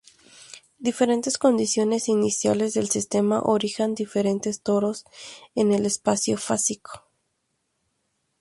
Diferentes condiciones iniciales del sistema originan diferentes toros en el espacio fásico.